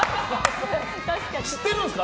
知ってるんですか？